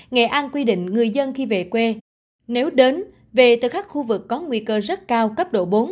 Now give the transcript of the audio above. nghệ an quy định người dân khi về quê nếu đến về từ các khu vực có nguy cơ rất cao cấp độ bốn